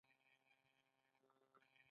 څوک غنم په غنمو نه بدلوي.